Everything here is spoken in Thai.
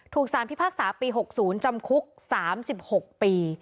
สารพิพากษาปี๖๐จำคุก๓๖ปี